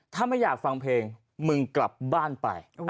ถ้าไม่อยากฟังเพลงมึงกลับบ้านไป